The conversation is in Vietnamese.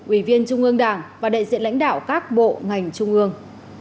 ủy viên trung ương đảng và đại diện lãnh đạo các bộ ngành trung ương